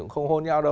không hôn nhau đâu